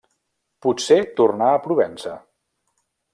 Potser tornà a Provença.